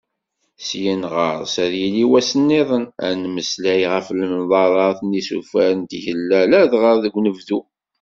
Syin ɣer-s, ad yili wass-nniḍen, ad nemmeslay ɣef lemḍarrat n yisufar n tgella ladɣa deg unebdu.